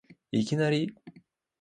いきなり